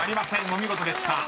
お見事でした］